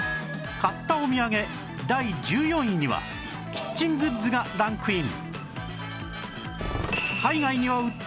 買ったお土産第１４位にはキッチングッズがランクイン